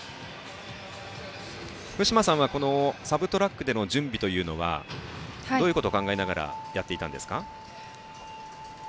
福島さんはサブトラックでの準備というのはどういうことを考えながらやっていたんですか？